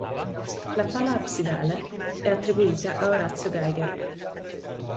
La pala absidale è attribuita a Orazio Geiger.